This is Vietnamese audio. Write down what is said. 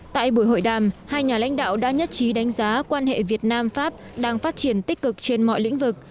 tại buổi hội đàm hai nhà lãnh đạo đã nhất trí đánh giá quan hệ việt nam pháp đang phát triển tích cực trên mọi lĩnh vực